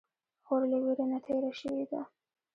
خور له ویرې نه تېره شوې ده.